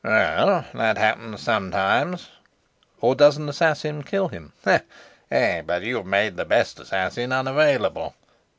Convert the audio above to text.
"Well, that happens sometimes." "Or does an assassin kill him?" "Eh, but you've made the best assassin unavailable."